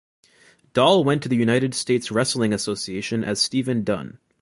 Doll went to the United States Wrestling Association as Steven Dunn.